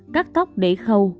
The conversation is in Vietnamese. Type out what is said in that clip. các tóc đẩy khâu